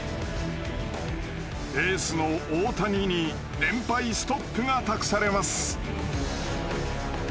エースの大谷に連敗ストップが託されます。